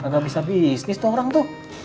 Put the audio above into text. gak bisa bisnis tuh orang tuh